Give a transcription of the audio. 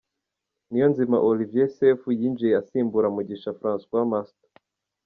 Niyonzima Olivier Sefu yinjiye asimbura Mugisha Francois Master